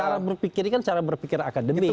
cara berpikir ini kan cara berpikir akademik